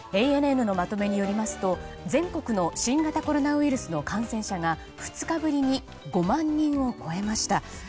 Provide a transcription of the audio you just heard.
ＡＮＮのまとめによりますと全国の新型コロナウイルスの感染者が２日ぶりに５万人を超えました。